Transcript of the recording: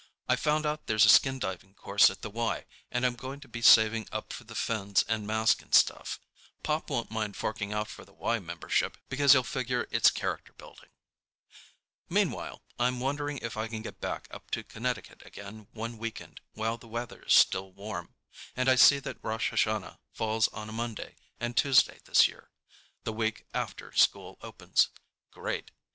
I found out there's a skin diving course at the Y, and I'm going to begin saving up for the fins and mask and stuff. Pop won't mind forking out for the Y membership, because he'll figure it's character building. Meanwhile, I'm wondering if I can get back up to Connecticut again one weekend while the weather's still warm, and I see that Rosh Hashanah falls on a Monday and Tuesday this year, the week after school opens. Great.